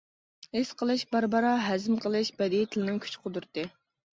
ھېس قىلىش، بارا-بارا ھەزىم قىلىش بەدىئىي تىلنىڭ كۈچ قۇدرىتى.